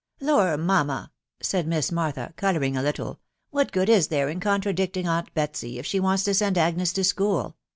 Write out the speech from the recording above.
"Lory mamma!" said Miss Mazthay. colouring, a little, "what good is there in contradicting .aunt Betsy, if Bhe wants to* send Agnes to school?